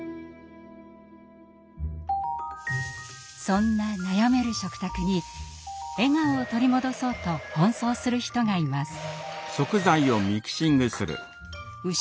そんな悩める食卓に笑顔を取り戻そうと奔走する人がいます。